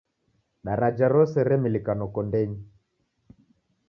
Daraja rose remilika noko ndenyi.